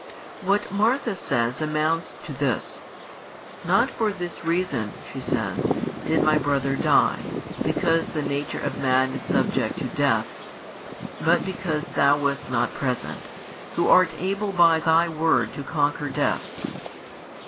What Martha says, amounts to this. "Not for this reason," she says, "did my brother die, because the nature of man is subject to death; but because Thou wast not present, Who art able by Thy word to conquer death."